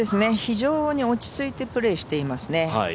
非常に落ち着いてプレーしていますね。